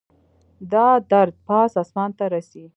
دا درد پاس اسمان ته رسي